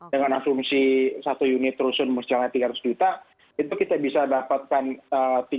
dengan asumsi satu unit rusun misalnya tiga ratus juta itu kita bisa dapatkan tiga puluh ribuan unit kalau kita pakai uang satu satu t yang sekarang dibeli lahan